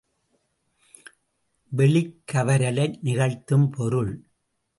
வெளிக்கவரலை நிகழ்த்தும் பொருள்.